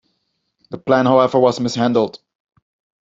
The plan, however, was mishandled.